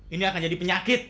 ini akan jadi penyakit